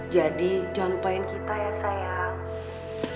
jadi jangan paham kita ya sayang